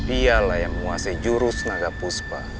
ialah yang menguasai jurus naga puspa